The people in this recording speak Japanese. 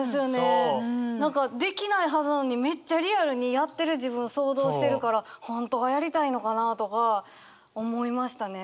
何かできないはずなのにめっちゃリアルにやってる自分想像してるから本当はやりたいのかなとか思いましたね。